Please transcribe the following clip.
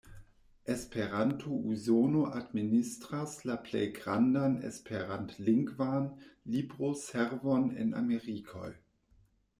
Esperanto-Usono administras la plej grandan Esperant-lingvan libro-servon en Amerikoj.